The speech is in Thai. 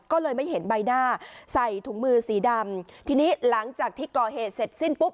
ก็เลยไม่เห็นใบหน้าใส่ถุงมือสีดำทีนี้หลังจากที่ก่อเหตุเสร็จสิ้นปุ๊บ